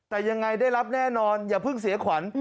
แต่ยังไงได้รับแน่นอนอย่าเพิ่งเสียขวัญ